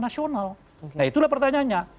nasional nah itulah pertanyaannya